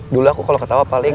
dulu aku kalau ketawa paling